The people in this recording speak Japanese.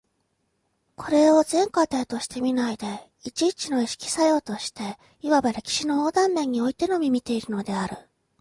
これを全過程として見ないで、一々の意識作用として、いわば歴史の横断面においてのみ見ているのである。